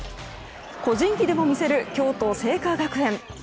個人技でも見せる京都精華学園。